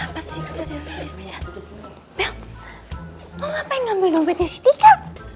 apa sih dompetnya